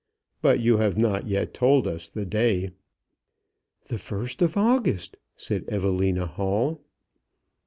But you have not yet told us the day." "The 1st of August," said Evelina Hall.